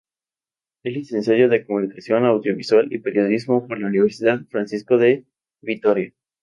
Es licenciado en Comunicación Audiovisual y Periodismo por la Universidad Francisco de Vitoria.